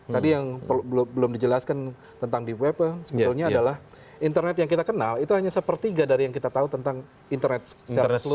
tadi yang belum dijelaskan tentang di weapon sebetulnya adalah internet yang kita kenal itu hanya sepertiga dari yang kita tahu tentang internet secara keseluruhan